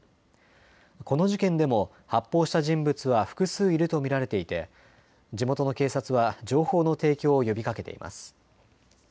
この事件でも発砲した人物は複数いると見られていて地元の警察は情報の提供を呼びかけています。